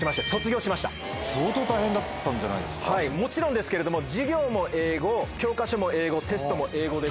もちろんですけれども。え！